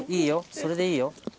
それでいいよ